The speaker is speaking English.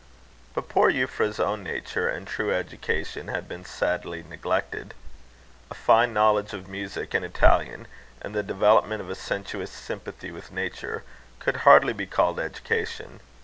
But poor Euphra's own nature and true education had been sadly neglected. A fine knowledge of music and Italian, and the development of a sensuous sympathy with nature, could hardly be called education.